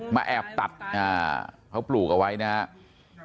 แอบตัดเขาปลูกเอาไว้นะครับ